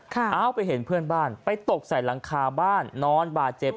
เอาไปเห็นเพื่อนบ้านไปตกใส่หลังคาบ้านนอนบาดเจ็บ